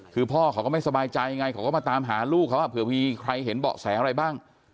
คือพ่อเขาก็ไม่สบายใจไงเขาก็มาตามหาลูกเขาเผื่อมีใครเห็นเบาะแสอะไรบ้าง